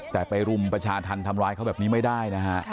แต่ไปรุมประชาธรรมทำร้ายเขาแบบนี้ไม่ได้นะฮะ